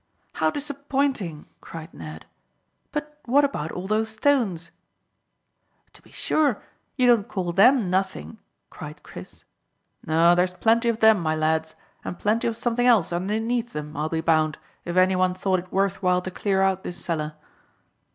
"How disappointing," cried Ned. "But what about all those stones?" "To be sure. You don't call them nothing?" cried Chris. "No; there's plenty of them, my lads, and plenty of something else underneath them, I'll be bound, if any one thought it worth while to clear out this cellar."